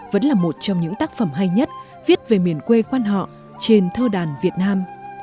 vẫn là một trong những tác phẩm hay nhất viết về miền quê quan họ trên thơ đàn việt nam